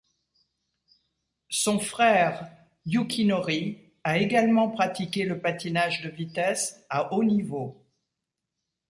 Son frère Yukinori a également pratiqué le patinage de vitesse à haut niveau.